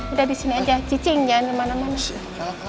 udah disini aja cicing jangan dimana mana